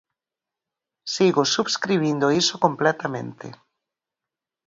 Sigo subscribindo iso completamente.